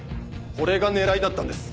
これが狙いだったんです！